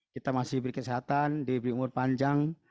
kita masih berkesehatan di umur panjang